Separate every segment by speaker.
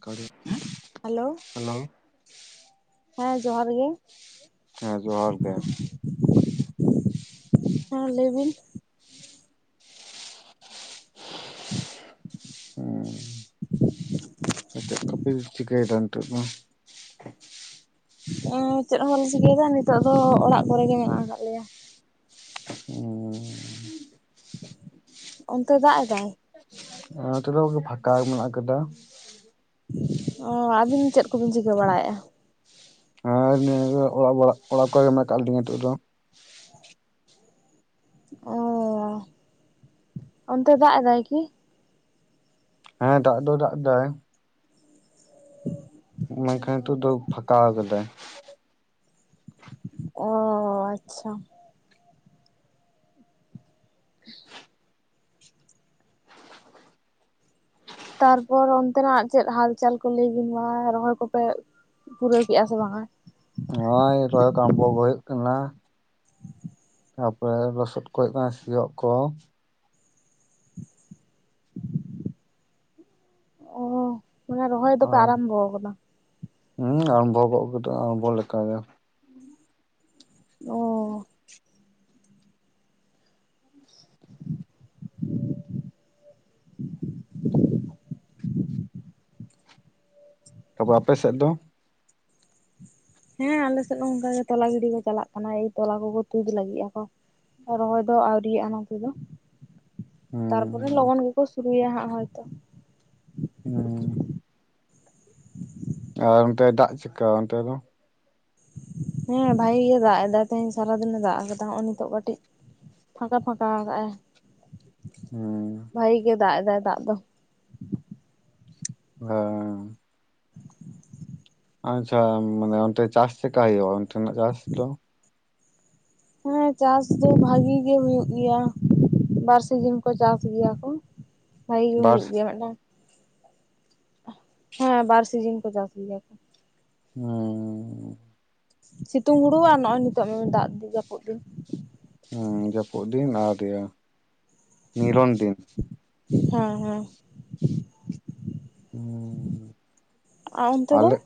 Speaker 1: [unintelligible]
Speaker 2: Hello
Speaker 1: hello
Speaker 2: ᱦᱮᱸ ᱡᱚᱦᱟᱨ ᱜᱮ,
Speaker 1: ᱦᱮᱸ ᱡᱚᱦᱟᱨ ᱜᱮ᱾
Speaker 2: ᱦᱮᱸ ᱞᱟᱹᱭ ᱵᱤᱱ
Speaker 1: [inaudible] ᱦᱩᱸ ᱪᱮᱫ ᱠᱚᱯᱮ ᱪᱤᱠᱟᱹᱭᱮᱫᱟ ᱱᱤᱛᱚᱜ ᱫᱚ?
Speaker 2: ᱩᱸ ᱪᱮᱫ ᱦᱚᱸ ᱵᱟᱞᱮ ᱪᱤᱠᱟᱹᱭ ᱮᱫᱟ ᱱᱤᱛᱚᱜ ᱫᱚ ᱚᱲᱟᱜ ᱠᱚᱨᱮ ᱜᱮ ᱢᱮᱱᱟᱜ ᱟᱠᱟᱫ ᱞᱮᱭᱟ ᱾
Speaker 1: ᱚᱻ
Speaker 2: ᱚᱱᱛᱮ ᱫᱟᱜ ᱮᱫᱟᱭ?
Speaker 1: ᱱᱚᱛᱮᱫᱚ ᱯᱷᱟᱸᱠᱟ ᱢᱮᱱᱟᱜ ᱟᱠᱟᱫᱟ ᱾
Speaker 2: ᱚ ᱟᱹᱵᱤᱱ ᱪᱮᱫ ᱠᱚᱵᱤᱱ ᱪᱤᱠᱟᱹ ᱵᱟᱲᱟᱭᱮᱜᱼᱟ?
Speaker 1: ᱟᱨ ᱱᱤᱭᱟᱹ ᱫᱚ ᱚᱲᱟᱜ ᱵᱟᱲᱟᱜ ᱚᱲᱟᱜ ᱠᱚᱨᱮ ᱜᱮ ᱢᱮᱱᱟᱜ ᱟᱠᱟᱜ ᱞᱤᱧᱟ ᱱᱤᱛᱚᱜ ᱫᱚ ᱾
Speaker 2: ᱚ ᱚᱱᱛᱮ ᱫᱟᱜ ᱮᱫᱟᱭ ᱠᱤ?
Speaker 1: ᱦᱮᱸ ᱫᱟᱜ ᱫᱚ ᱫᱟᱜ ᱮᱫᱟᱭ ᱾
Speaker 2: [inaudible]
Speaker 1: ᱢᱮᱱᱠᱷᱟᱱ ᱱᱤᱛᱳᱜ ᱫᱚ ᱯᱷᱟᱠᱟ ᱟᱠᱟᱫᱟᱭ ᱾
Speaker 2: ᱚ ᱟᱪᱪᱷᱟ, [inaudible] ᱛᱟᱨᱯᱚᱨ ᱚᱱᱛᱮᱱᱟᱜ ᱪᱮᱫ ᱦᱟᱞᱪᱟᱞ ᱠᱚ ᱞᱟᱹᱭ ᱵᱤᱱ ᱢᱟ ᱨᱚᱦᱚᱭ ᱠᱚᱯᱮ ᱯᱩᱨᱟᱹᱣ ᱠᱮᱜᱼᱟ ᱥᱮ ᱵᱟᱝᱼᱟ?
Speaker 1: ᱱᱚᱜᱼᱚᱭ ᱨᱚᱦᱚᱭ ᱠᱳ ᱟᱢᱵᱚᱵᱚ ᱦᱳᱭᱳᱜ ᱠᱟᱱᱟ ᱾ ᱛᱟᱯᱚᱨᱮ ᱞᱚᱥᱚᱫ ᱠᱚ ᱦᱳᱭᱳᱜ ᱠᱟᱱᱟ ᱥᱤᱭᱚᱜ ᱠᱚ,
Speaker 2: ᱚᱦᱚ ᱢᱟᱱᱮ ᱨᱚᱦᱚᱭ ᱫᱚᱯᱮ ᱟᱨᱟᱢᱵᱚ ᱟᱠᱟᱫᱟ᱾
Speaker 1: ᱦᱮᱸ ᱟᱨᱟᱢᱵᱷᱚ ᱠᱚᱫᱚ ᱟᱨᱟᱢᱵᱷᱚ ᱞᱮᱠᱟᱜᱮ᱾
Speaker 2: ᱚᱻ᱾ [inaudible] ᱦ [inaudible]
Speaker 1: ᱛᱚᱵᱮ ᱟᱯᱮ ᱥᱮᱫ ᱫᱚ᱾
Speaker 2: ᱦᱮᱸ ᱟᱞᱮ ᱥᱮᱫ ᱦᱚᱸ ᱚᱝᱠᱟ ᱜᱮ ᱛᱚᱞᱟ ᱜᱤᱰᱤ ᱠᱚ ᱪᱟᱞᱟᱜ ᱠᱟᱱᱟ ᱮᱭ ᱛᱚᱞᱟ ᱠᱚᱠᱚ ᱛᱩᱫ ᱞᱟᱹᱜᱤᱜ ᱟᱠᱚ᱾ ᱨᱚᱦᱚᱭ ᱫᱚ ᱟᱹᱣᱨᱤᱭᱟᱜᱼᱟ ᱱᱚᱛᱮ ᱫᱚ᱾ ᱛᱟᱨᱯᱚᱨᱮ
Speaker 1: ᱦᱩᱸ
Speaker 2: ᱞᱚᱜᱚᱱ ᱜᱮᱠᱚ ᱥᱩᱨᱩᱭᱟ ᱦᱟᱸᱜ ᱦᱚᱭᱛᱚ᱾
Speaker 1: ᱦᱮᱸ᱾ ᱟᱨ ᱚᱱᱛᱮ ᱫᱟᱜ ᱪᱮᱜᱠᱟ ᱚᱱᱛᱮ ᱫᱚ᱾
Speaker 2: ᱦᱮᱸ ᱵᱷᱟᱜᱮ ᱜᱮ ᱫᱟᱜ ᱮᱫᱟᱭ ᱛᱮᱸᱦᱤᱧ ᱥᱟᱨᱟᱫᱤᱱᱮ ᱫᱟᱜ ᱟᱠᱟᱫᱟ ᱱᱚᱜᱼᱚᱭ ᱱᱤᱛᱚᱜ ᱠᱟᱹᱴᱤᱡᱽ᱾ ᱯᱷᱟᱸᱠᱟ-ᱯᱷᱟᱸᱠᱟ ᱟᱠᱟᱜ-ᱟᱭ
Speaker 1: ᱦᱩᱸ
Speaker 2: ᱵᱷᱟᱜᱤ ᱜᱮ ᱫᱟᱜ ᱮᱫᱟᱭ ᱫᱟᱜ ᱫᱚ᱾
Speaker 1: ᱦᱮᱸᱻ᱾ ᱟᱪᱪᱷᱟ ᱢᱟᱱᱮ ᱚᱱᱛᱮ ᱪᱟᱥ ᱪᱮᱜᱠᱟ ᱦᱳᱭᱳᱜ-ᱟ ᱚᱱᱛᱮᱱᱟᱜ ᱪᱟᱥ ᱫᱚ᱾
Speaker 2: ᱦᱮᱸ ᱪᱟᱥ ᱫᱚ ᱵᱷᱟᱜᱤ ᱜᱮ ᱦᱩᱭᱩᱜ ᱜᱮᱭᱟ᱾ ᱵᱟᱨ ᱥᱤᱡᱤᱱ ᱠᱳ ᱪᱟᱥ ᱜᱮᱭᱟ ᱠᱚ ᱵᱷᱟᱜᱤ ᱜᱮ
Speaker 1: ᱵᱟᱨ
Speaker 2: ᱦᱩᱭᱩᱜ ᱜᱮᱭᱟ ᱢᱤᱫᱴᱟᱝ᱾ ᱦᱮᱸ ᱵᱟᱨ ᱥᱤᱡᱤᱱ ᱠᱚ ᱪᱟᱥ ᱜᱮᱭᱟ ᱠᱚ᱾
Speaker 1: ᱦᱮᱸᱻ᱾
Speaker 2: ᱥᱤᱛᱩᱝ ᱦᱩᱲᱩ ᱟᱨ ᱱᱚᱜᱼᱚᱭ ᱱᱤᱛᱚᱜ ᱫᱟᱜ ᱡᱟᱹᱯᱩᱫ ᱫᱤᱱ᱾
Speaker 1: ᱦᱮᱸ ᱡᱟᱹᱯᱩᱫ ᱫᱤᱱ ᱟᱨ ᱤᱭᱟᱹ ᱱᱤᱨᱚᱱ ᱫᱤᱱ᱾
Speaker 2: ᱦᱮᱸ-ᱦᱮᱸ᱾
Speaker 1: ᱦᱮᱸᱻ
Speaker 2: ᱟᱨ ᱚᱱᱛᱮ ᱫᱚ
Speaker 1: ᱟᱞᱮ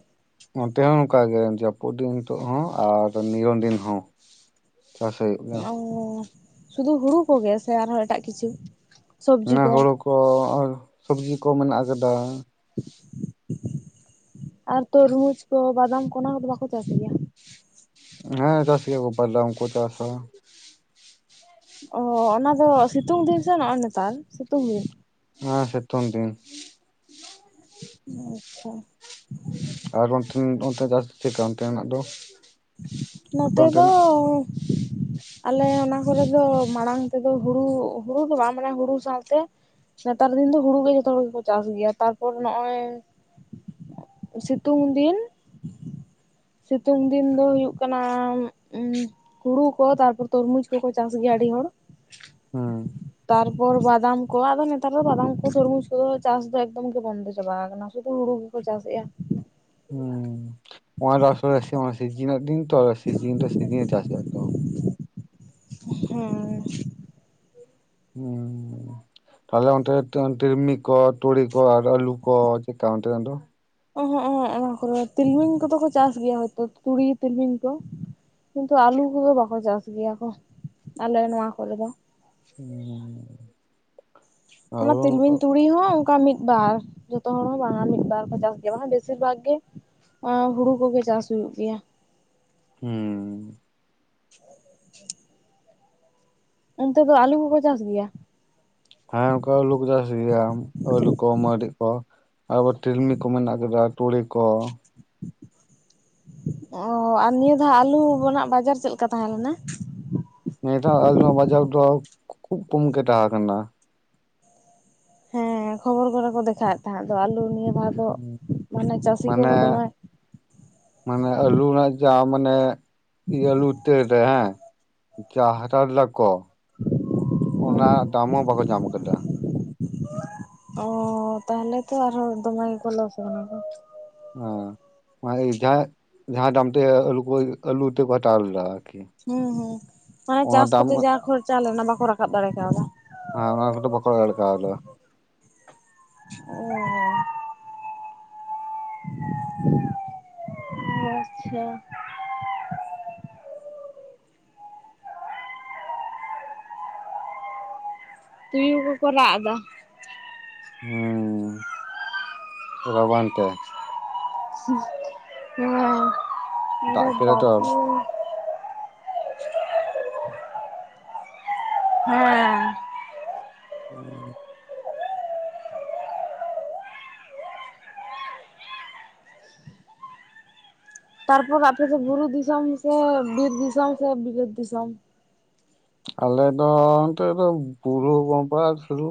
Speaker 1: ᱚᱱᱛᱮ ᱦᱚᱸ ᱱᱚᱝᱠᱟ ᱜᱮ ᱡᱟᱹᱯᱩᱫ ᱫᱤᱱ ᱱᱤᱛᱚᱜ ᱦᱚᱸ ᱟᱨ ᱱᱤᱨᱚᱱ ᱫᱤᱱ ᱦᱚᱸ᱾ ᱪᱟᱥ ᱦᱩᱭᱩᱜ ᱜᱮᱭᱟ
Speaker 2: ᱚᱻ ᱥᱩᱫᱩ ᱦᱩᱲᱩ ᱠᱚᱜᱮ ᱥᱮ ᱟᱨᱦᱚᱸ ᱮᱴᱟᱜ ᱠᱤᱪᱷᱩ᱾
Speaker 1: ᱦᱮᱸ ᱦᱳᱲᱳ ᱠᱚ ᱟᱨ ᱥᱚᱵᱡᱤ ᱠᱚ ᱢᱮᱱᱟᱜ ᱟᱠᱟᱫᱟ᱾
Speaker 2: ᱟᱨ ᱛᱚᱨᱢᱩᱡᱽ ᱠᱚ ᱵᱟᱫᱟᱢ ᱠᱚ ᱚᱱᱟ ᱠᱚᱫᱚ ᱵᱟᱠᱚ ᱪᱟᱥ ᱜᱮᱭᱟ᱾
Speaker 1: ᱦᱮᱸ ᱪᱟᱥ ᱜᱮᱭᱟ ᱠᱚ ᱵᱟᱫᱟᱢ ᱠᱚ ᱪᱟᱥᱟ᱾
Speaker 2: ᱚ ᱚᱱᱟ ᱫᱚ ᱥᱤᱛᱩᱝ ᱫᱤᱱ ᱥᱮ ᱱᱚᱜᱼᱚᱭ ᱱᱮᱛᱟᱨ ᱥᱤᱛᱩᱝ ᱫᱤᱱ᱾
Speaker 1: ᱦᱮᱸ ᱥᱮᱛᱩᱝ ᱫᱤᱱ᱾
Speaker 2: ᱟᱪᱪᱷᱟ᱾
Speaker 1: ᱟᱨ ᱚᱱᱛᱮᱱ, ᱚᱱᱛᱮ ᱪᱟᱥ ᱪᱮᱜᱠᱟ ᱚᱱᱛᱮᱱᱟᱜ ᱫᱚ᱾
Speaker 2: ᱱᱚᱛᱮ
Speaker 1: ᱟᱯᱮ
Speaker 2: ᱫᱚᱻ
Speaker 1: ᱚᱱᱛᱮᱱᱟᱜ [inaudible]
Speaker 2: ᱟᱞᱮ ᱚᱱᱟ ᱠᱚᱨᱮ ᱫᱚ ᱢᱟᱲᱟᱝ ᱛᱮᱫᱚ ᱦᱩᱲᱩ, ᱦᱩᱲᱩ ᱫᱚ ᱵᱟᱝ ᱢᱟᱱᱮ ᱦᱩᱲᱩ ᱥᱟᱶᱛᱮ᱾ ᱱᱮᱛᱟᱨ ᱫᱤᱱ ᱫᱚ ᱦᱩᱲᱩ ᱜᱮ ᱡᱚᱛᱚ ᱦᱚᱲ ᱜᱮᱠᱚ ᱪᱟᱥ ᱜᱮᱭᱟ, ᱛᱟᱨᱯᱚᱨ ᱱᱚᱜᱼᱚᱭ, ᱥᱤᱛᱩᱝ ᱫᱤᱱ, ᱥᱤᱛᱩᱝ ᱫᱤᱱ ᱫᱚ ᱦᱩᱭᱩᱜ ᱠᱟᱱᱟ ᱦᱩᱲᱩ ᱠᱚ ᱛᱟᱨᱯᱚᱨ ᱛᱚᱨᱢᱩᱡᱽ ᱠᱚᱠᱚ ᱪᱟᱥ ᱜᱮᱭᱟ ᱟᱹᱰᱤ ᱦᱚᱲ᱾
Speaker 1: ᱦᱮᱸ᱾
Speaker 2: ᱛᱟᱨᱯᱚᱨ ᱵᱟᱫᱟᱢ ᱠᱚ ᱟᱫᱚ ᱱᱮᱛᱟᱨ ᱫᱚ ᱵᱟᱫᱟᱢ ᱠᱚ ᱥᱩᱨᱢᱩᱡᱽ ᱠᱚᱫᱚ ᱪᱟᱥ ᱫᱚ ᱮᱠᱫᱚᱢ ᱜᱮ ᱵᱚᱱᱫᱚ ᱪᱟᱵᱟ ᱟᱠᱟᱱᱟ᱾ ᱥᱩᱫᱩ ᱦᱩᱲᱩ ᱜᱮᱠᱚ ᱪᱟᱥᱮᱜᱼᱟ᱾
Speaker 1: ᱦᱩᱸ ᱚᱱᱟ ᱥᱤᱡᱤᱱ ᱨᱮᱱᱟᱜ ᱫᱤᱱ ᱛᱚ ᱥᱮᱤᱡᱤᱱ ᱨᱮ ᱥᱤᱡᱤᱱ ᱪᱟᱥ ᱛᱚ [unintelligible]
Speaker 2: ᱦᱮᱸ᱾
Speaker 1: [unintelligible] ᱛᱟᱦᱚᱞᱮ ᱚᱱᱛᱮ ᱛᱤᱞᱢᱤ ᱠᱚ ᱛᱩᱲᱤ ᱠᱚ ᱟᱨ ᱟᱹᱞᱩ ᱠᱚ ᱪᱮᱫᱠᱟ ᱚᱱᱛᱮᱱᱟᱜ ᱫᱚ᱾
Speaker 2: ᱚᱦᱚᱜ ᱚᱦᱚᱜ ᱚᱱᱟ ᱠᱚᱨᱮ ᱛᱤᱞᱢᱤᱧ ᱠᱚᱫᱚ ᱠᱚ ᱪᱟᱥ ᱦᱚᱭᱛᱳ ᱛᱩᱲᱤ ᱛᱤᱞᱢᱤᱧ ᱠᱚ᱾ ᱠᱤᱱᱛᱩ ᱟᱞᱩ ᱠᱚᱫᱚ ᱵᱟᱠᱚ ᱪᱟᱥ ᱜᱮᱭᱟ ᱠᱚ, ᱟᱞᱮ ᱱᱚᱣᱟ ᱠᱚᱨᱮ ᱫᱚ᱾
Speaker 1: [unintelligible]
Speaker 2: ᱚᱱᱟ
Speaker 1: ᱟᱹᱞᱩ
Speaker 2: ᱛᱤᱞᱢᱤᱧ ᱛᱩᱲᱤ ᱦᱚᱸ ᱚᱱᱠᱟ ᱢᱤᱫ ᱵᱟᱨ ᱡᱚᱛᱚ ᱦᱚᱲ ᱦᱚᱸ ᱵᱟᱝᱼᱟ ᱢᱤᱫ ᱵᱟᱨ ᱠᱚ ᱪᱟᱥ ᱜᱮᱭᱟ, ᱵᱟᱝᱠᱷᱟᱱ ᱵᱮᱥᱤᱨ ᱵᱷᱟᱜᱽ ᱜᱮ ᱮᱸ ᱦᱩᱲᱩ ᱠᱚᱜᱮ ᱪᱟᱥ ᱦᱩᱭᱩᱜ ᱜᱮᱭᱟ᱾
Speaker 1: ᱦᱩᱸ ᱾
Speaker 2: [unintelligible] ᱚᱱᱛᱮ ᱫᱚ ᱟᱞᱩ ᱠᱚᱠᱚ ᱪᱟᱥ ᱜᱮᱭᱟ?
Speaker 1: ᱦᱮᱸ ᱚᱱᱠᱟ ᱟᱹᱞᱩ ᱠᱚ ᱪᱟᱥ ᱜᱮᱭᱟ ᱟᱹᱞᱩ ᱠᱚ ᱢᱟᱹᱨᱤ ᱠᱚ ᱾ ᱟᱵᱟᱨ ᱛᱤᱞᱢᱤ ᱠᱚ ᱢᱮᱱᱟᱜ ᱠᱟᱫᱟ ᱛᱩᱲᱤ ᱠᱚ᱾
Speaker 2: ᱚ ᱟᱨ ᱱᱤᱭᱟᱹ ᱫᱷᱟᱣ ᱟᱞᱩ ᱨᱮᱱᱟᱜ ᱵᱟᱡᱟᱨ ᱪᱮᱫ ᱞᱮᱠᱟ ᱛᱟᱦᱮᱸ ᱞᱮᱱᱟ?
Speaker 1: ᱱᱤᱭᱟᱹ ᱫᱷᱟᱣ ᱟᱞᱩ ᱨᱮᱱᱟᱜ ᱵᱟᱡᱟᱨ ᱫᱚ ᱠᱷᱩᱵ ᱠᱚᱢ ᱜᱮ ᱛᱟᱦᱮᱸ ᱠᱟᱱᱟ᱾
Speaker 2: ᱦᱮᱸ ᱠᱷᱚᱵᱚᱨ ᱠᱚᱨᱮ ᱠᱚ ᱫᱮᱠᱷᱟᱣᱮᱫ ᱛᱟᱦᱮᱸᱫ ᱫᱚ ᱟᱞᱩ ᱱᱤᱭᱟᱹ ᱫᱷᱟᱣ ᱫᱚ ᱢᱟᱱᱮ ᱪᱟᱹᱥᱤ ᱠᱚ
Speaker 1: ᱢᱟᱱᱮ
Speaker 2: ᱫᱚᱢᱮ
Speaker 1: ᱢᱟᱱᱮ ᱟᱹᱞᱩ ᱨᱮᱱᱟᱜ ᱡᱟ ᱢᱟᱱᱮ ᱤᱭᱟᱹ ᱟᱹᱞᱩ ᱩᱛᱟᱹᱨ ᱨᱮ ᱦᱮᱸ ᱡᱟᱸᱦᱟ ᱦᱟᱛᱟᱣ ᱞᱮᱫᱟ ᱠᱚ ᱚᱱᱟ ᱨᱮᱱᱟᱜ ᱫᱟᱢ ᱦᱚᱸ ᱵᱟᱠᱚ ᱧᱟᱢ ᱠᱟᱫᱟ᱾
Speaker 2: ᱚ ᱛᱟᱦᱚᱞᱮ ᱛᱚ ᱟᱨᱦᱚᱸ ᱫᱚᱢᱮ ᱜᱮᱠᱚ ᱞᱚᱥ ᱠᱟᱱᱟ ᱠᱚ᱾
Speaker 1: ᱦᱮᱸ ᱡᱟᱦᱟᱸᱭ ᱡᱟᱦᱟᱸ ᱫᱟᱢ ᱛᱮ ᱟᱹᱞᱩ ᱠᱚ ᱟᱹᱞᱩ ᱤᱛᱟᱹ ᱠᱚ ᱦᱟᱛᱟᱣ ᱞᱮᱫᱟ ᱟᱨᱠᱤ᱾
Speaker 2: ᱦᱩᱸ ᱦᱩᱸ ᱢᱟᱱᱮ
Speaker 1: ᱚᱱᱟ
Speaker 2: ᱪᱟᱥ
Speaker 1: ᱫᱟᱢ
Speaker 2: ᱠᱚᱛᱮ ᱡᱟ ᱠᱷᱚᱨᱪᱟ ᱞᱮᱱᱟ ᱵᱟᱠᱚ ᱨᱟᱠᱟᱵ ᱫᱟᱲᱮ ᱠᱟᱣᱫᱟ᱾
Speaker 1: ᱦᱮᱸ ᱚᱱᱟ ᱠᱚᱫᱚ ᱵᱟᱠᱚ [unintelligible]
Speaker 2: [unintelligible] ᱟᱪᱪᱷᱟ ᱾ ᱛᱩᱭᱩ ᱠᱚᱠᱚ ᱨᱟᱜ ᱫᱟ᱾
Speaker 1: ᱦᱩᱸ ᱨᱟᱵᱟᱝ ᱛᱮ ᱾ ᱫᱟᱜ ᱠᱮᱫᱟ ᱛᱚ
Speaker 2: [unintelligible] ᱦᱮᱸ ᱾
Speaker 1: [unintelligible]
Speaker 2: ᱛᱟᱨᱯᱚᱨ ᱟᱯᱮ ᱫᱚ ᱵᱩᱨᱩ ᱫᱤᱥᱚᱢ ᱥᱮ ᱵᱤᱨ ᱫᱤᱥᱚᱢ ᱥᱮ ᱵᱤᱞᱟᱹᱛ ᱫᱤᱥᱚᱢ?
Speaker 1: ᱟᱞᱮ ᱫᱚ ᱚᱱᱛᱮ ᱫᱚ ᱵᱩᱨᱩ ᱵᱟ ᱥᱩᱨᱩ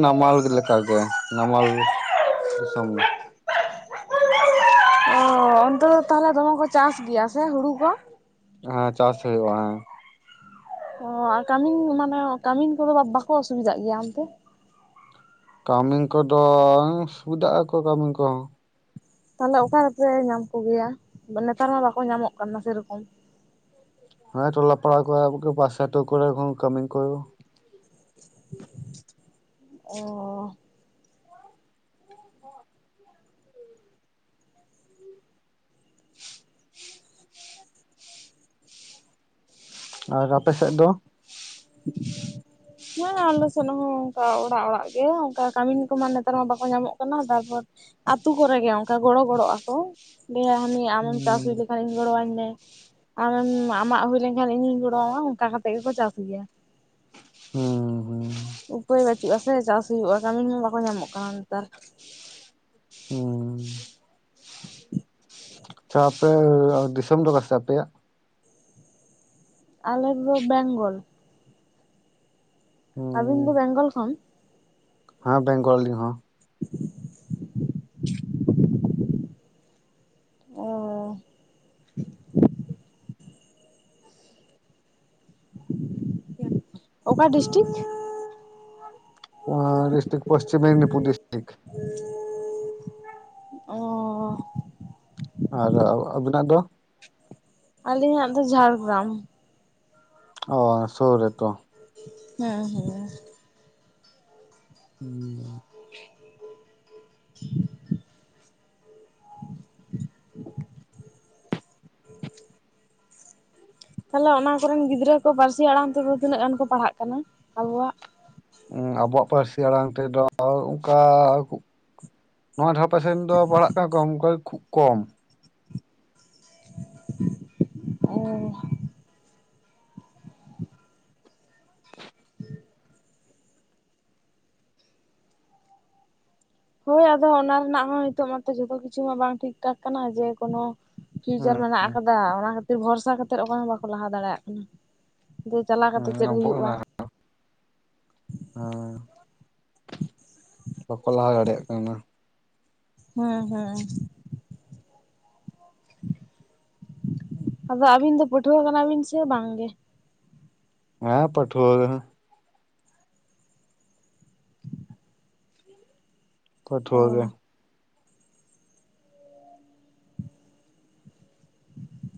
Speaker 1: ᱱᱟᱢᱟᱞ ᱞᱮᱠᱟᱜᱮ ᱱᱟᱢᱟᱞ ᱫᱤᱥᱚᱢ᱾
Speaker 2: ᱚ ᱚᱱᱛᱮ ᱫᱚ ᱛᱟᱦᱚᱞᱮ ᱫᱚᱢᱮ ᱠᱚ ᱪᱟᱥ ᱜᱮᱭᱟ ᱥᱮ ᱦᱩᱲᱩ ᱠᱚ?
Speaker 1: ᱦᱮᱸ ᱪᱟᱥ ᱦᱩᱭᱩᱜ-ᱟ ᱦᱮᱸ ᱾
Speaker 2: ᱚ ᱠᱟᱹᱢᱤᱱ ᱢᱟᱱᱮ ᱠᱟᱹᱢᱤᱱ ᱠᱚᱫᱚ ᱵᱟᱠᱚ ᱚᱥᱩᱵᱤᱫᱟᱜ ᱜᱮᱭᱟ ᱚᱱᱛᱮ?
Speaker 1: ᱠᱟᱹᱢᱤ ᱠᱚᱫᱚ ᱥᱩᱵᱤᱫᱟᱜ ᱟᱠᱚ ᱠᱟᱹᱢᱤᱱ ᱠᱚᱦᱚᱸ᱾
Speaker 2: ᱛᱟᱦᱚᱞᱮ ᱚᱠᱟ ᱨᱮ ᱯᱮ ᱧᱟᱢ ᱠᱚᱜᱮᱭᱟ, ᱱᱮᱛᱟᱨ ᱢᱟ ᱵᱟᱠᱚ ᱧᱟᱢᱚᱜ ᱠᱟᱱᱟ ᱥᱮ ᱨᱚᱠᱚᱢ?
Speaker 1: ᱦᱮᱸ ᱛᱴᱞᱟ ᱯᱟᱲᱟ ᱠᱚᱨᱮ ᱯᱟᱥᱮᱨ ᱟᱹᱛᱩ ᱠᱚᱨᱮᱱ ᱠᱟᱹᱢᱤᱱ ᱠᱚ᱾
Speaker 2: ᱚ ᱾
Speaker 1: ᱟᱨ ᱟᱯᱮ ᱥᱮᱫ ᱫᱚ?
Speaker 2: ᱦᱮᱸ ᱟᱞᱮ ᱥᱮᱫ ᱦᱚᱸ ᱚᱱᱠᱟ ᱚᱲᱟᱜ ᱚᱲᱟᱜ ᱜᱮ ᱚᱱᱠᱟ ᱠᱟᱹᱢᱤᱱ ᱠᱚᱢᱟ ᱱᱮᱛᱟᱨ ᱢᱟ ᱵᱟᱠᱚ ᱧᱟᱢᱚᱜ ᱠᱟᱱᱟ ᱛᱟᱨᱯᱚᱨ ᱟᱛᱩ ᱠᱚᱨᱮ ᱜᱮ ᱚᱱᱠᱟ ᱜᱚᱲᱚ ᱜᱚᱲᱚᱜ ᱟᱠᱚ ᱾ ᱞᱟᱹᱭᱟᱭ ᱦᱟᱹᱱᱤ ᱟᱢᱮᱢ ᱪᱟᱥ ᱦᱩᱭ ᱞᱮᱠᱷᱟᱱ ᱤᱧ ᱜᱚᱲᱚᱟᱹᱧ ᱢᱮ ᱾ ᱟᱢ ᱟᱢᱟᱜ ᱦᱩᱭ ᱞᱮᱱᱠᱷᱟᱱ ᱤᱧ ᱜᱚᱲᱚᱣᱟᱢᱟ ᱚᱱᱠᱟ ᱠᱟᱛᱮᱫ ᱜᱮᱠᱚ ᱪᱟᱥ ᱜᱮᱭᱟ᱾
Speaker 1: ᱦᱩᱸ [unintelligible]
Speaker 2: ᱩᱯᱟᱹᱭ ᱵᱟᱹᱪᱩᱜ-ᱟ ᱥᱮ ᱪᱟᱥ ᱦᱩᱭᱩᱜ-ᱟ ᱠᱟᱹᱢᱤᱱ ᱦᱚᱸ ᱵᱟᱠᱚ ᱧᱟᱢᱚᱜ ᱠᱟᱱᱟ ᱱᱮᱛᱟᱨ᱾
Speaker 1: ᱦᱩᱸ ᱾ ᱟᱪᱷᱟ ᱟᱯᱮ ᱫᱤᱥᱚᱢ ᱫᱚ ᱠᱟ ᱥᱮ ᱟᱯᱮᱭᱟᱜ?
Speaker 2: ᱟᱞᱮᱫᱚ ᱵᱮᱝᱜᱚᱞ᱾ ᱟᱹᱵᱤᱱ ᱫᱚ
Speaker 1: ᱦᱩᱸ
Speaker 2: ᱵᱮᱝᱜᱚᱞ ᱠᱷᱚᱱ?
Speaker 1: ᱦᱮᱸ ᱵᱮᱝᱜᱚᱞ ᱟᱞᱤᱧ ᱦᱚᱸ᱾
Speaker 2: [unintelligible] ᱚᱻ ᱚᱠᱟ district?
Speaker 1: District Paschim Medinipur district.
Speaker 2: ᱚᱻ
Speaker 1: ᱟᱨ ᱟᱵᱤᱱᱟᱜ ᱫᱚ?
Speaker 2: ᱟᱹᱞᱤᱧᱟᱜ ᱫᱚ ᱡᱷᱟᱲᱜᱨᱟᱢ᱾
Speaker 1: ᱚᱻ ᱥᱩᱨ ᱨᱮ ᱛᱚ᱾
Speaker 2: ᱦᱮᱸ ᱦᱮᱸ᱾
Speaker 1: ᱦᱩᱸ᱾
Speaker 2: [unintelligible] ᱛᱟᱦᱚᱞᱮ ᱚᱱᱟ ᱠᱚᱨᱮᱱ ᱜᱤᱫᱽᱨᱟᱹ ᱠᱚ ᱯᱟᱹᱨᱥᱤ ᱟᱲᱟᱝ ᱛᱮᱫᱚ ᱛᱤᱱᱟᱹᱜ ᱜᱟᱱ ᱠᱚ ᱯᱟᱲᱦᱟᱜ ᱠᱟᱱᱟ ᱟᱵᱚᱣᱟᱜ?
Speaker 1: ᱟᱵᱚᱣᱟᱜ ᱯᱟᱹᱨᱥᱤ ᱟᱲᱟᱝ ᱛᱮᱫᱚ ᱚᱱᱠᱟ ᱱᱚᱣᱟ ᱫᱷᱟᱨᱮ ᱯᱟᱥᱮ ᱨᱮᱱ ᱫᱚ ᱯᱟᱲᱦᱟᱜ ᱠᱟᱱ ᱠᱚ ᱚᱱᱠᱟᱮ ᱠᱷᱩᱵ ᱠᱚᱢ᱾
Speaker 2: ᱚᱻ
Speaker 1: [unintelligible]
Speaker 2: ᱦᱳᱭ ᱟᱫᱚ ᱚᱱᱟ ᱨᱮᱱᱟᱜ ᱦᱚᱸ ᱱᱤᱛᱚᱜ ᱢᱟᱛᱚ ᱡᱚᱛᱚ ᱠᱤᱪᱷᱩ ᱢᱟ ᱵᱟᱝ ᱴᱷᱤᱠ ᱴᱷᱟᱠ ᱠᱟᱱᱟ ᱡᱮ ᱠᱳᱱᱚ ᱯᱷᱤᱭᱩᱪᱟᱨ
Speaker 1: ᱦᱩᱸ
Speaker 2: ᱢᱮᱱᱟᱜ ᱟᱠᱟᱫᱟ ᱚᱱᱟ ᱠᱷᱟᱹᱛᱤᱨ ᱵᱷᱚᱨᱥᱟ ᱠᱟᱛᱮᱫ ᱚᱠᱚᱭ ᱦᱚᱸ ᱵᱟᱠᱚ ᱞᱟᱦᱟ ᱫᱟᱲᱮᱭᱟᱜ ᱠᱟᱱᱟ᱾ ᱡᱮ ᱪᱟᱞᱟᱣ ᱠᱟᱛᱮᱫ ᱪᱮᱫ ᱦᱩᱭᱩᱜᱼᱟ
Speaker 1: ᱦᱮᱸ, [unintelligible] ᱦᱮᱸ ᱾ ᱵᱟᱠᱚ ᱞᱟᱦᱟ ᱫᱟᱲᱮᱭᱟᱜ ᱠᱟᱱᱟ᱾
Speaker 2: ᱦᱮᱸ ᱦᱮᱸ᱾
Speaker 1: ᱦᱮᱸ᱾
Speaker 2: ᱟᱫᱚ ᱟᱹᱵᱤᱱ ᱫᱚ ᱯᱟᱹᱴᱷᱩᱣᱟᱹ ᱠᱟᱱᱟ ᱵᱤᱱ ᱥᱮ ᱵᱟᱝ ᱜᱮ?
Speaker 1: ᱦᱮᱸ ᱯᱟᱹᱴᱷᱩᱣᱟ [unintelligible]
Speaker 2: ᱚ
Speaker 1: ᱯᱟᱹᱴᱷᱩᱣᱟᱹ ᱜᱮ᱾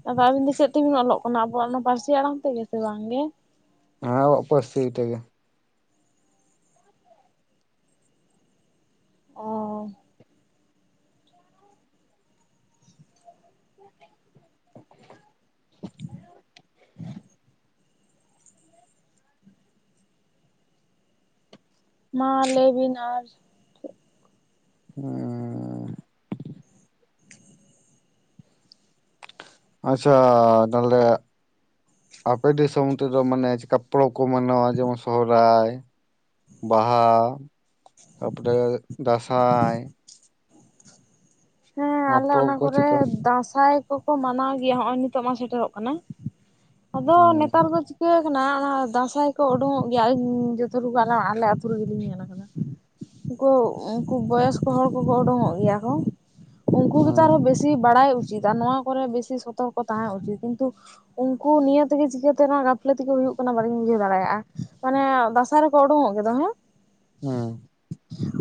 Speaker 2: ᱟᱫᱚ ᱟᱹᱵᱤᱱ ᱫᱚ ᱪᱮᱫ ᱛᱮᱵᱤᱱ ᱚᱞᱚᱜ ᱠᱟᱱᱟ ᱟᱵᱚᱣᱟᱜ ᱱᱚᱣᱟ ᱯᱟᱹᱨᱥᱤ ᱟᱲᱟᱝ ᱛᱮᱜᱮ ᱥᱮ ᱵᱟᱝ ᱜᱮ?
Speaker 1: ᱦᱮᱸ ᱟᱵᱚᱭᱟᱜ ᱯᱟᱹᱨᱥᱤ ᱛᱮᱜᱮ᱾
Speaker 2: ᱚᱻ
Speaker 1: [inaudible] [unintelligible]
Speaker 2: [inaudible] ᱢᱟ ᱞᱟᱹᱭ ᱵᱤᱱ ᱟᱨ
Speaker 1: ᱦᱩᱸᱻ ᱟᱪᱪᱷᱟ ᱛᱟᱦᱚᱞᱮ ᱟᱯᱮ ᱫᱤᱥᱚᱢ ᱛᱮᱫᱚ ᱢᱟᱱᱮ ᱪᱮᱫᱠᱟ ᱯᱚᱲᱚᱵ ᱠᱚ ᱢᱟᱱᱟᱣᱟ ᱡᱮᱢᱚᱱ ᱥᱚᱦᱨᱟᱭ ᱵᱟᱦᱟ, ᱛᱟᱨᱯᱚᱨᱮ ᱫᱟᱸᱥᱟᱭ᱾
Speaker 2: ᱦᱮᱸ ᱟᱞᱮ
Speaker 1: ᱯᱚᱨᱚᱵᱽ
Speaker 2: ᱚᱱᱟ
Speaker 1: ᱠᱚ
Speaker 2: ᱠᱚᱨᱮ
Speaker 1: ᱪᱮᱫᱠᱟ
Speaker 2: ᱫᱟᱸᱥᱟᱭ ᱠᱚᱠᱚ ᱢᱟᱱᱟᱣ ᱜᱮᱭᱟ ᱦᱚᱸᱜ ᱚᱭ ᱱᱤᱛᱚᱜ ᱢᱟ ᱥᱮᱴᱮᱨᱚᱜ ᱠᱟᱱᱟ᱾ ᱟᱫᱚ
Speaker 1: ᱦᱩᱸ
Speaker 2: ᱱᱮᱛᱟᱨ ᱫᱚ ᱪᱤᱠᱟᱹᱣ ᱠᱟᱱᱟ ᱚᱱᱟ ᱫᱟᱸᱥᱟᱭ ᱠᱚ ᱩᱰᱩᱝᱚᱜ ᱜᱮᱭᱟ ᱟᱞᱤᱧ ᱡᱚᱛᱚ ᱴᱤᱠᱩ ᱨᱮ ᱟᱞᱮ ᱟᱹᱛᱩ ᱨᱮᱜᱮᱞᱤᱧ ᱧᱮᱞ ᱠᱟᱫᱟ᱾ ᱩᱱᱠᱚ ᱩᱱᱠᱩ ᱵᱚᱭᱚᱥᱠᱚ ᱦᱚᱲ ᱠᱚᱠᱚ ᱚᱰᱩᱝᱚᱜ ᱜᱮᱭᱟ ᱠᱚ᱾ ᱩᱱᱠᱩ ᱜᱮᱛᱚ
Speaker 1: ᱦᱩᱸ
Speaker 2: ᱟᱨᱦᱚᱸ ᱵᱮᱥᱤ ᱵᱟᱲᱟᱭ ᱩᱪᱤᱛ ᱟᱨ ᱱᱚᱣᱟ ᱠᱚᱨᱮ ᱵᱮᱥᱤ ᱥᱚᱛᱚᱨᱠᱚ ᱛᱟᱦᱮᱸ ᱩᱪᱤᱛ ᱠᱤᱱᱛᱩ ᱩᱝᱠᱩ ᱱᱤᱭᱟᱹ ᱛᱮᱜᱮ ᱪᱤᱠᱟᱹᱛᱮ ᱱᱚᱣᱟ ᱜᱟᱯᱷᱞᱟᱹᱛᱤ ᱠᱚ ᱦᱩᱭᱩᱜ ᱠᱟᱱᱟ ᱵᱟᱹᱧ ᱵᱩᱡᱷᱟᱹᱣ ᱫᱟᱲᱮᱭᱟᱜᱼᱟ, ᱚᱱᱮ ᱫᱟᱸᱥᱟ ᱨᱮ ᱠᱚ ᱚᱰᱩᱝᱚᱜ ᱜᱮᱫᱚ ᱦᱮᱸ᱾
Speaker 1: ᱦᱩᱸ᱾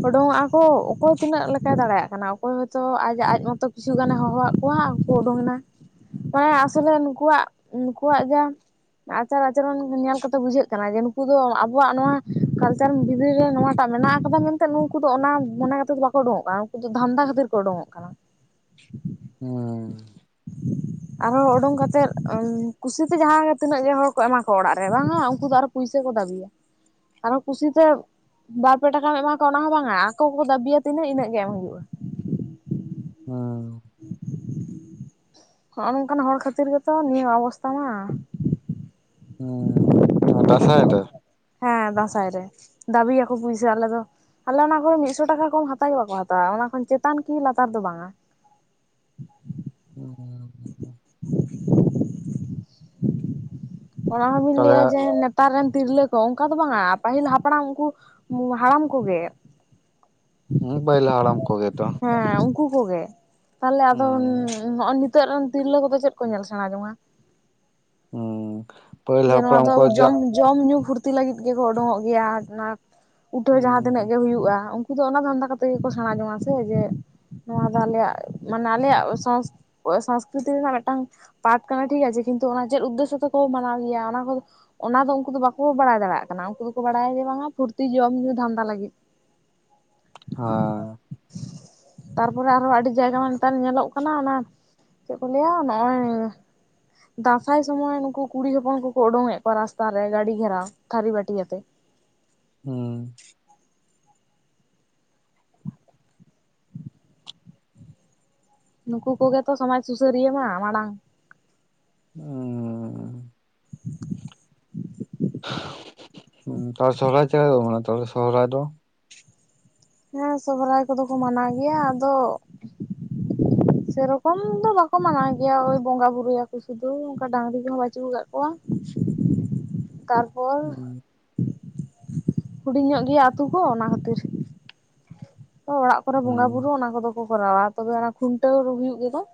Speaker 2: ᱩᱰᱩᱝᱚᱜᱼᱟ ᱠᱚ ᱚᱠᱚᱭ ᱛᱤᱱᱟᱹᱜ ᱞᱮᱠᱟᱭ ᱫᱟᱲᱮᱭᱟᱜ ᱠᱟᱱᱟ᱾ ᱚᱠᱚᱭ ᱦᱚᱭᱛᱚ ᱟᱡ ᱟᱡ ᱢᱚᱛᱚ ᱠᱤᱪᱷᱩ ᱜᱟᱱᱮ ᱦᱚᱦᱚᱣᱟᱫ ᱠᱚᱣᱟ ᱟᱨ ᱠᱚ ᱩᱰᱩᱝ ᱮᱱᱟ᱾ ᱚᱱᱟ ᱟᱥᱚᱞᱮ ᱱᱩᱠᱩᱣᱟᱜ ᱱᱩᱠᱩᱣᱟᱜ ᱡᱟ ᱟᱪᱟᱨ ᱟᱪᱚᱨᱚᱱ ᱧᱮᱞ ᱠᱟᱛᱮ ᱵᱩᱡᱷᱟᱹᱜ ᱠᱟᱱᱟ ᱡᱮ ᱱᱩᱠᱩ ᱫᱚ ᱟᱵᱚᱣᱟᱜ ᱱᱚᱣᱟ ᱠᱟᱞᱪᱟᱨ ᱵᱷᱤᱛᱨ ᱨᱮ ᱱᱚᱣᱟᱴᱟᱜ ᱢᱮᱱᱟᱜ-ᱟ ᱠᱟᱫᱟ ᱢᱮᱱᱛᱮ ᱱᱩᱠᱩ ᱫᱚ ᱚᱱᱟ ᱢᱚᱱᱮ ᱠᱟᱛᱮᱫ ᱫᱚ ᱵᱟᱠᱚ ᱩᱰᱩᱝᱚᱜ ᱠᱟᱱᱟ ᱱᱩᱠᱩ ᱫᱚ ᱫᱷᱟᱱᱫᱟ ᱠᱷᱟᱹᱛᱤᱨ ᱠᱚ ᱩᱰᱩᱝᱚᱜ ᱠᱟᱱᱟ᱾
Speaker 1: ᱦᱩᱸ᱾
Speaker 2: ᱟᱨᱦᱚᱸ ᱩᱰᱩᱝ ᱠᱟᱛᱮᱫ ᱠᱩᱥᱤᱛᱮ ᱡᱟᱦᱟᱸ ᱜᱮ ᱛᱤᱱᱟᱹᱜ ᱜᱮ ᱦᱚᱲ ᱠᱚ ᱮᱢᱟ ᱠᱚᱣᱟ ᱚᱲᱟᱜ ᱨᱮ ᱵᱟᱝᱟ ᱩᱱᱠᱩ ᱫᱚ ᱟᱨᱚ ᱯᱩᱭᱥᱟᱹ ᱠᱚ ᱫᱟᱹᱵᱤᱭᱟ ᱟᱨᱚ ᱠᱩᱥᱤᱛᱮ ᱵᱟᱨ ᱯᱮ ᱴᱟᱠᱟᱢ ᱮᱢᱟ ᱠᱚᱣᱟ ᱚᱱᱟ ᱦᱚᱸ ᱵᱟᱝᱟ ᱟᱠᱚ ᱠᱚᱠᱚ ᱫᱟᱹᱵᱤᱭᱟ ᱛᱤᱱᱟᱹ ᱤᱱᱟᱹᱜ ᱜᱮ ᱮᱢ ᱦᱩᱭᱩᱜᱼᱟ᱾
Speaker 1: ᱦᱩᱸ᱾
Speaker 2: ᱦᱚᱸᱜᱼᱚ ᱱᱚᱝᱠᱟᱱ ᱦᱚᱲ ᱠᱷᱟᱹᱛᱤᱨ ᱜᱮᱛᱚ ᱱᱤᱭᱟᱹ ᱚᱵᱚᱥᱛᱟᱷᱟ ᱢᱟ᱾
Speaker 1: ᱦᱩᱸ, ᱫᱟᱥᱟᱭ ᱨᱮ?
Speaker 2: ᱦᱮᱸ ᱫᱟᱸᱥᱟᱭ ᱨᱮ ᱫᱟᱹᱵᱤᱭᱟᱠᱚ ᱯᱩᱭᱥᱟᱹ ᱟᱞᱮ ᱫᱚ᱾ ᱟᱞᱮ ᱚᱱᱟ ᱠᱚᱨᱮ ᱢᱤᱫᱥᱚ ᱴᱟᱠᱟ ᱠᱚᱢ ᱦᱟᱛᱟᱣ ᱜᱮ ᱵᱟᱠᱚ ᱦᱟᱛᱟᱣᱟ ᱚᱱᱟ ᱠᱷᱚᱱ ᱪᱮᱛᱟᱱ ᱠᱤ ᱞᱟᱛᱟᱨ ᱫᱚ ᱵᱟᱝᱼᱟ᱾
Speaker 1: ᱦᱩᱸ᱾
Speaker 2: [inaudible] ᱚᱱᱟ ᱦᱚᱸᱵᱤᱱ
Speaker 1: ᱛᱟᱦᱚᱞᱮ
Speaker 2: ᱞᱟᱹᱭᱟ ᱡᱮ ᱱᱮ ᱛᱟᱨ ᱨᱮᱱ ᱛᱤᱨᱞᱟᱹ ᱠᱚ ᱚᱱᱠᱟ ᱫᱚ ᱵᱟᱝᱟ ᱯᱟᱹᱦᱤᱞ ᱦᱟᱯᱲᱟᱢ ᱩᱱᱠᱩ ᱦᱟᱲᱟᱢ ᱠᱚᱜᱮ᱾
Speaker 1: ᱦᱩᱸ ᱯᱟᱹᱦᱤᱞ ᱦᱟᱲᱟᱢ ᱠᱚᱜᱮ ᱛᱚ᱾
Speaker 2: ᱦᱮᱸ ᱩᱱᱠᱩ ᱠᱚᱜᱮ, ᱛᱟᱦᱚᱞᱮ ᱟᱫᱚ ᱱᱚ
Speaker 1: ᱦᱩᱸ
Speaker 2: ᱦᱚᱸᱜ-ᱚ ᱱᱤᱛ ᱱᱤᱛᱜ ᱨᱮᱱ ᱛᱤᱨᱞᱟᱹ ᱠᱚᱫᱚ ᱪᱮᱫ ᱠᱚ ᱧᱮᱞ ᱥᱮᱬᱟ ᱡᱚᱝᱟ?
Speaker 1: ᱦᱩᱸ ᱯᱟᱹᱦᱤᱞ
Speaker 2: ᱡᱮ ᱱᱚᱣᱟ
Speaker 1: ᱦᱟᱯᱲᱟᱢ
Speaker 2: ᱫᱚ
Speaker 1: ᱠᱚ
Speaker 2: ᱟᱵᱚ ᱡᱚᱢ
Speaker 1: ᱡᱟᱜ
Speaker 2: ᱡᱚᱢ ᱧᱩ ᱯᱷᱩᱨᱛᱤ ᱞᱟᱹᱜᱤᱫ ᱜᱮᱠᱚ ᱩᱰᱩᱝᱚᱜ ᱜᱮᱭᱟ ᱚᱱᱟ ᱩᱴᱷᱟᱹᱣ ᱡᱟᱦᱟᱸ
Speaker 1: ᱦᱩᱸ
Speaker 2: ᱛᱤᱱᱟᱹᱜ ᱜᱮ ᱦᱩᱭᱩᱜᱼᱟ᱾ ᱩᱱᱠᱩ ᱫᱚ ᱚᱱᱟ ᱫᱷᱚᱱᱫᱟ ᱠᱟᱛᱮ ᱜᱮᱠᱚ ᱥᱮᱬᱟᱸ ᱡᱚᱝᱟ ᱥᱮ ᱡᱮ ᱱᱚᱣᱟ ᱫᱚ ᱟᱞᱮᱭᱟᱜ ᱢᱟᱱᱮ ᱟᱞᱮᱭᱟᱜ ᱥᱚᱝᱥ ᱚᱭ ᱥᱚᱝᱥᱠᱨᱤᱛᱤ ᱨᱮᱱᱟᱜ ᱢᱤᱫᱴᱟᱝ ᱯᱟᱨᱴ ᱠᱟᱱᱟ ᱴᱷᱤᱠ ᱟᱪᱷᱮ ᱠᱤᱱᱛᱩ ᱚᱱᱟ ᱪᱮᱫ ᱩᱫᱽᱫᱮᱥᱥᱚ ᱛᱮᱠᱚ ᱢᱟᱱᱟᱣ ᱜᱮᱭᱟ ᱚᱱᱟ ᱠᱚᱫᱚ ᱚᱱᱟ ᱫᱚ ᱩᱱᱠᱩ ᱫᱚ ᱵᱟᱠᱚ ᱵᱟᱲᱟᱭ ᱫᱟᱲᱮᱭᱟᱜ ᱠᱟᱱᱟ, ᱩᱱᱠᱩ ᱫᱚᱠᱚ ᱵᱟᱲᱟᱭᱟ ᱡᱮ ᱵᱟᱝᱟ ᱯᱷᱩᱨᱛᱤ ᱡᱚᱢ ᱧᱩ ᱫᱷᱟᱱᱫᱟ ᱞᱟᱹᱜᱤᱫ᱾
Speaker 1: ᱦᱟ᱾
Speaker 2: ᱛᱟᱨᱯᱚᱨᱮ ᱟᱨᱦᱚᱸ ᱟᱹᱰᱤ ᱡᱟᱭᱜᱟ ᱢᱟ ᱱᱮᱛᱟᱨ ᱧᱮᱞᱚᱜ ᱠᱟᱱᱟ ᱚᱱᱟ ᱪᱮᱫ ᱠᱚ ᱞᱟᱹᱭᱟ ᱱᱚᱸᱜᱼᱚᱭ ᱫᱟᱸᱥᱟᱭ ᱥᱚᱢᱚᱭ ᱱᱩᱠᱩ ᱠᱩᱲᱤ ᱦᱚᱸ ᱯᱚᱱ ᱠᱚᱠᱚ ᱩᱰᱩᱝᱮᱫ ᱠᱚᱣᱟ ᱨᱟᱥᱛᱟ ᱨᱮ ᱜᱟᱹᱰᱤ ᱜᱷᱮᱨᱟᱣ ᱛᱷᱟᱹᱨᱤ ᱵᱟᱹᱴᱤ ᱟᱛᱮ᱾
Speaker 1: ᱦᱩᱸ᱾
Speaker 2: ᱱᱩᱠᱩ ᱠᱚᱜᱮ ᱛᱚ ᱥᱚᱢᱟᱡᱽ ᱥᱩᱥᱟᱹᱨᱤᱭᱟᱹ ᱢᱟ ᱢᱟᱲᱟᱝ
Speaker 1: ᱩᱸ᱾ ᱩᱸ ᱛᱚ ᱥᱚᱦᱚᱨᱟᱭ ᱪᱮᱫ ᱦᱳᱭᱳᱜ ᱪᱮᱫᱠᱟ ᱦᱳᱭᱳᱜ ᱢᱟᱱᱮ ᱛᱚᱵᱮ ᱥᱚᱦᱚᱨᱟᱭ ᱫᱚ?
Speaker 2: ᱦᱮᱸ ᱥᱚᱦᱨᱟᱭ ᱠᱚᱫᱚ ᱢᱟᱱᱟᱣ ᱜᱮᱭᱟ ᱟᱫᱚ ᱥᱮᱨᱚᱠᱚᱢ ᱫᱚ ᱵᱟᱠᱚ ᱢᱟᱱᱟᱣ ᱜᱮᱭᱟ ᱳᱭ ᱵᱚᱸᱜᱟ ᱵᱩᱨᱩᱭᱟᱠᱚ ᱥᱩᱫᱷᱩ ᱚᱱᱠᱟ ᱰᱟᱝᱨᱤ ᱠᱚᱦᱚᱸ ᱵᱟᱹᱪᱩ ᱠᱟᱜ ᱠᱚᱣᱟ, ᱠᱟᱨ
Speaker 1: ᱦᱩᱸ᱾
Speaker 2: ᱦᱩᱰᱤᱧ ᱧᱚᱜ ᱜᱮᱭᱟ ᱟᱛᱳ ᱠᱚ ᱚᱱᱟ ᱠᱷᱟᱹᱛᱤᱨ᱾ ᱛᱚ ᱚᱲᱟᱜ ᱠᱚᱨᱮ ᱵᱚᱸᱜᱟ
Speaker 1: ᱦᱩᱸ
Speaker 2: ᱵᱩᱨᱩ ᱚᱱᱟ ᱠᱚᱫᱚ ᱠᱚᱨᱟᱣᱟ ᱛᱚᱵᱮ ᱚᱱᱟ ᱠᱷᱩᱱᱴᱟᱹᱣ ᱦᱩᱭᱩᱜ ᱜᱮᱫᱚ,